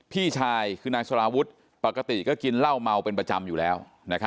พี่ชายคือนายสารวุฒิปกติก็กินเหล้าเมาเป็นประจำอยู่แล้ว